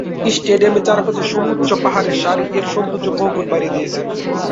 স্টেডিয়ামের চারপাশে সুউচ্চ পাহাড়ের সারি এর সৌন্দর্য বহুগুণ বাড়িয়ে দিয়েছে।